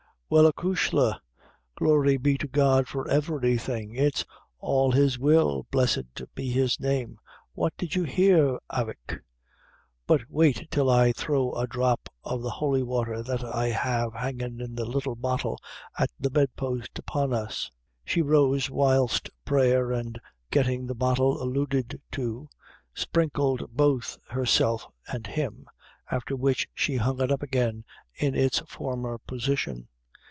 "Well acushla, glory be to God for everything! it's all his will, blessed be his name! What did you hear, avick? but wait till I throw a drop o' the holy wather that I have hangin' in the little bottle at the bed post upon us." She rose whilst speaking and getting the bottle alluded to, sprinkled both herself and him, after which she hung it up again in its former position.